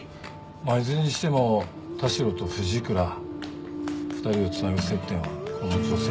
まあいずれにしても田代と藤倉２人をつなぐ接点はこの女性だね。